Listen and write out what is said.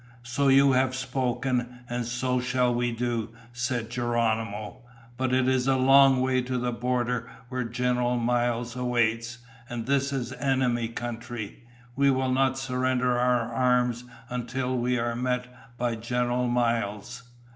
"So you have spoken and so shall we do," said Geronimo. "But it is a long way to the border where General Miles awaits, and this is enemy country. We will not surrender our arms until we are met by General Miles."